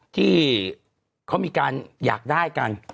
ที่เขามีการอยากได้กัน